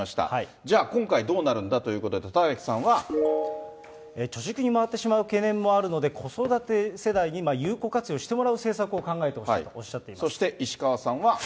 じゃあ、今回どうなるんだという貯蓄に回ってしまう懸念もあるので、子育て世帯に有効活用してもらう政策を考えてほしいとおそして、石川さんは。